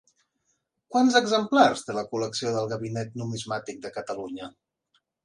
Quants exemplars té la col·lecció del Gabinet Numismàtic de Catalunya?